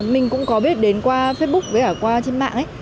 mình cũng có biết đến qua facebook với cả qua trên mạng ấy